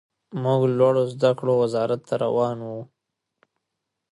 موږ لوړو زده کړو وزارت ته روان وو.